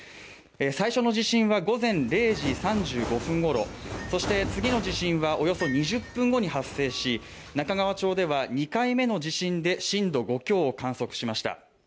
最初の地震は午前０時３５分ごろそして次の地震はおよそ２０分後に発生し中川町では２回目の地震で震度５強を観測しました